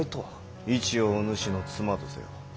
市をお主の妻とせよ。